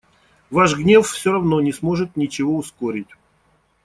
Ваш гнев всё равно не сможет ничего ускорить.